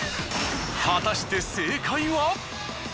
果たして正解は！？